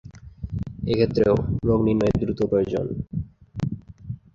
এ ক্ষেত্রেও রোগ নির্ণয়ে দ্রুত প্রয়োজন।